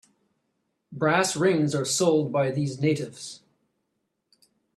Brass rings are sold by these natives.